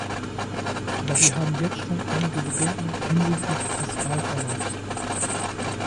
Aber wir haben jetzt schon einige Bedenken hinsichtlich des Wahlverlaufs.